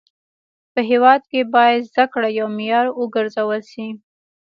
په هيواد کي باید زده کړه يو معيار و ګرځول سي.